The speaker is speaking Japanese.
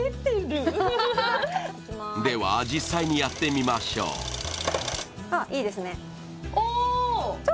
では実際にやってみましょうああいいですねおおっ！